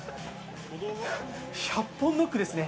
１００本ノックですね。